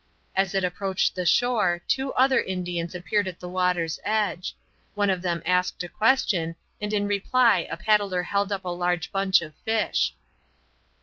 As it approached the shore two other Indians appeared at the water's edge. One of them asked a question, and in reply a paddler held up a large bunch of fish.